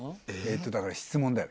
だから質問だよ